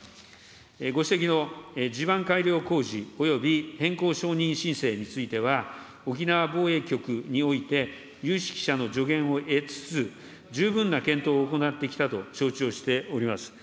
ご指摘の地盤改良工事および変更承認申請については、沖縄防衛局において、有識者の助言を得つつ、十分な検討を行ってきたと承知をしております。